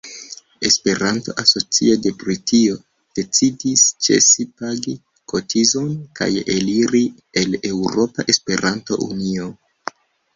Esperanto-Asocio de Britio decidis ĉesi pagi kotizon kaj eliri el Eŭropa Esperanto-Unio.